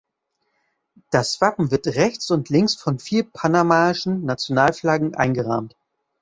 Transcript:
Das Wappen wird rechts und links von vier panamaischen Nationalflaggen eingerahmt.